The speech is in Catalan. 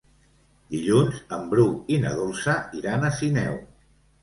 Dilluns en Bru i na Dolça iran a Sineu.